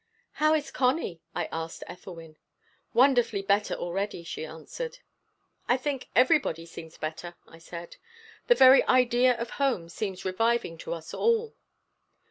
"How is Connie?" I asked Ethelwyn. "Wonderfully better already," she answered. "I think everybody seems better," I said. "The very idea of home seems reviving to us all."